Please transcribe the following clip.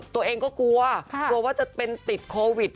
ตัวเองก็กลัวกลัวว่าจะเป็นติดโควิด